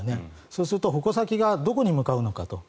そうすると矛先がどこに向かうのかと。